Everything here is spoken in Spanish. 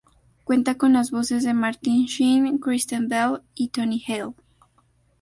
Cuenta con las voces de Martin Sheen, Kristen Bell y Tony Hale.